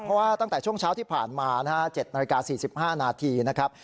เพราะว่าตั้งแต่ช่วงเช้าที่ผ่านมานะฮะ๗นาฬิกา๔๕นาทีนะครับ